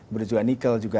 berjualan nikel juga